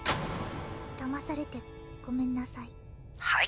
だまされてごめんなさい